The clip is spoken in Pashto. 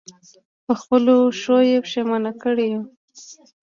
په خپلو ښو یې پښېمانه کړی یم.